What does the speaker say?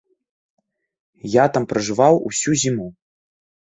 Я там пражываў усю зіму.